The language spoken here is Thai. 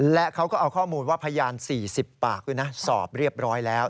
และเขาก็เอาข้อมูลว่าพยาน๔๐ปากด้วยนะสอบเรียบร้อยแล้ว